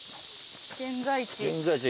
現在地。